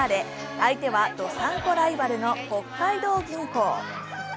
相手はどさんこライバルの北海道銀行。